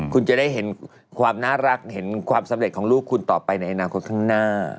คุณจะได้เห็นความน่ารักเห็นความสำเร็จของลูกคุณต่อไปในอนาคตข้างหน้า